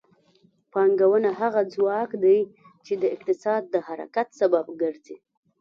پانګونه هغه ځواک دی چې د اقتصاد د حرکت سبب ګرځي.